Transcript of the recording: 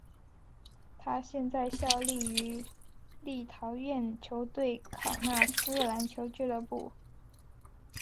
他现在效力于立陶宛球队考纳斯篮球俱乐部。